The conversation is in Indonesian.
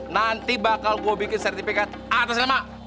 nanti bakal gue bikin sertifikat atas nama